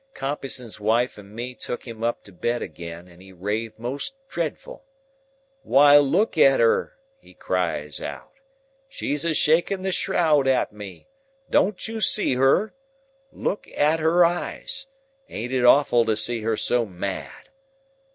"Compeyson's wife and me took him up to bed agen, and he raved most dreadful. 'Why look at her!' he cries out. 'She's a shaking the shroud at me! Don't you see her? Look at her eyes! Ain't it awful to see her so mad?